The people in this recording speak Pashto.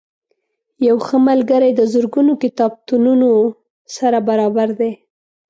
یو ښه ملګری د زرګونو کتابتونونو سره برابر دی.